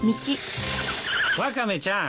ワカメちゃん。